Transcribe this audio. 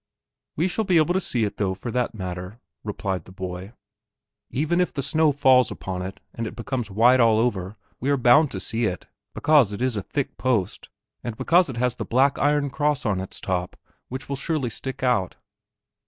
"We shall be able to see it though, for that matter," replied the boy; "even if the snow falls upon it and it becomes white all over we are bound to see it, because it is a thick post, and because it has the black iron cross on its top which will surely stick out."